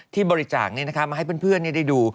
ที่บริจาคเนี่ยนะคะมาให้เพื่อนได้ดู